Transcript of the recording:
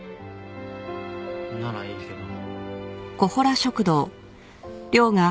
ならいいけど。